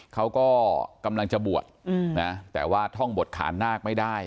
เขาก็กำลังจะบวชนะแต่ว่าท่องบวชขานาคไม่ได้